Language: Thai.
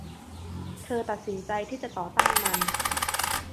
เธอตัดสินใจที่จะต่อต้านมัน